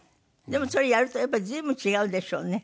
でもそれやるとやっぱり随分違うでしょうね。